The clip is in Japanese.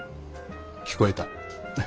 聞こえた。